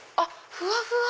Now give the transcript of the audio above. ふわふわ！